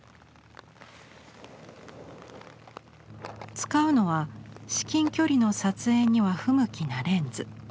使うのは至近距離の撮影には不向きなレンズ。